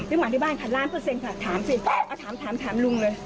พี่หมาที่บ้านพันล้านเปอร์เซ็นต์ค่ะถามสิอ้าวถามถามถามลุงเลย